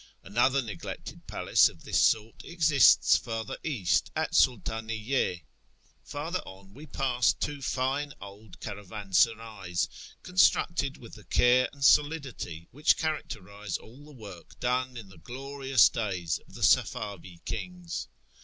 Another neglected palace of this sort exists farther east, at Sultitniyye. Farther on w^e passed two fine old caravansarays, constructed with the care and solidity which characterise all the work done in the glorious days of the Safavi kings.